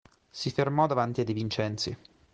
Si fermò davanti a De Vincenzi.